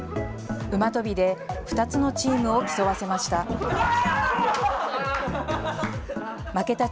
馬跳びで２つのチームを競わせました。